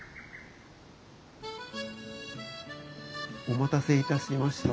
お待たせいたしました。